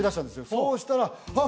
そうしたらあっ